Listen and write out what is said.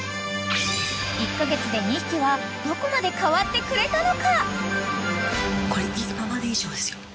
［１カ月で２匹はどこまで変わってくれたのか］